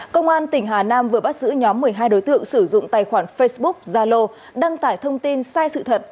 công an tỉnh hà nam vừa bắt giữ nhóm một mươi hai đối tượng sử dụng tài khoản facebook zalo đăng tải thông tin sai sự thật